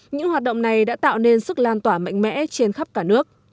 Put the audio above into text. những hoạt động này đã tạo nên sức lan tỏa mạnh mẽ trên khắp cả nước